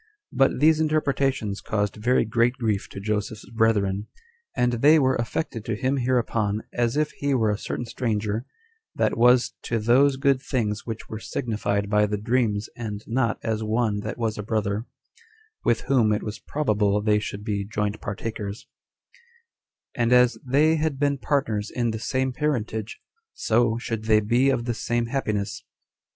But these interpretations caused very great grief to Joseph's brethren; and they were affected to him hereupon as if he were a certain stranger, that was to those good things which were signified by the dreams and not as one that was a brother, with whom it was probable they should be joint partakers; and as they had been partners in the same parentage, so should they be of the same happiness.